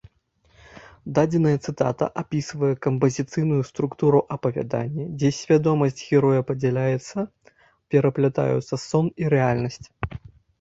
Дадзеная цытата апісвае кампазіцыйную структуру апавядання, дзе свядомасць героя падзяляецца, пераплятаюцца сон і рэальнасць.